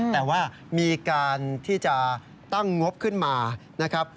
แต่ว่ามีการที่จะตั้งงบขึ้นมานะครับ